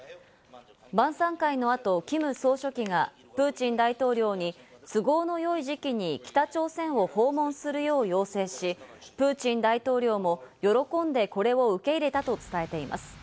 晩さん会の後、キム総書記がプーチン大統領に都合の良い時期に北朝鮮を訪問するよう要請し、プーチン大統領も喜んでこれを受け入れたと伝えています。